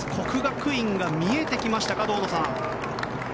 國學院が見えてきましたか。